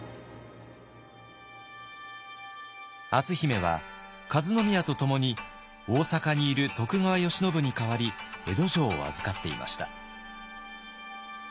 篤姫は和宮とともに大坂にいる徳川慶喜に代わり江戸城を預かっていました。